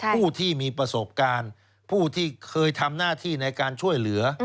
ผู้ที่มีประสบการณ์ผู้ที่เคยทำหน้าที่ในการช่วยเหลือ